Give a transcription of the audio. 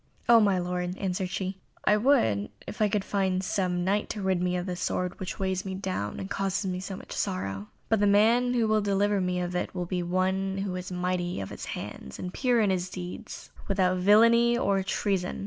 "Oh, my lord," answered she, "I would I could find some Knight to rid me of this sword, which weighs me down and causes me much sorrow. But the man who will deliver me of it must be one who is mighty of his hands, and pure in his deeds, without villainy, or treason.